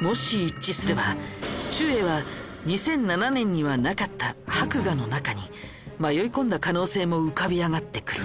もし一致すればちゅうえいは２００７年にはなかった博雅の中に迷い込んだ可能性も浮かび上がってくる。